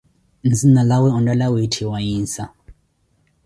Nzinalawe onteela wiitthiwa Yinsa.